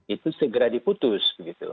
itu segera diputus